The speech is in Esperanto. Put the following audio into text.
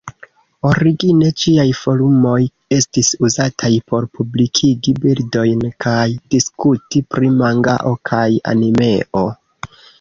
Origine ĝiaj forumoj estis uzataj por publikigi bildojn kaj diskuti pri mangao kaj animeo.